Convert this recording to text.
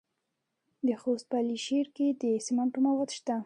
د خوست په علي شیر کې د سمنټو مواد شته.